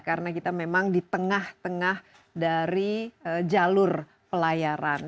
karena kita memang di tengah tengah dari jalur pelayaran